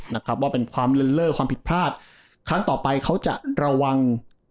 นะครับว่าเป็นความเลินเล่อความผิดพลาดครั้งต่อไปเขาจะระวัง